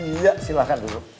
iya silakan duduk